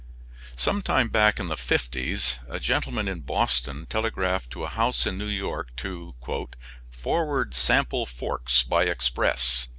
Some time back in the fifties a gentleman in Boston telegraphed to a house in New York to "forward sample forks by express."